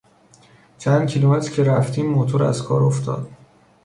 چند کیلومتر که رفتیم موتور از کار افتاد.